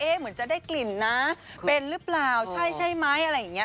เหมือนจะได้กลิ่นนะเป็นหรือเปล่าใช่ใช่ไหมอะไรอย่างนี้